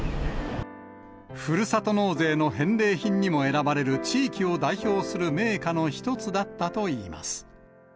ふるさと納税の返礼品にも選ばれる、地域を代表する銘菓の一つだったといいます。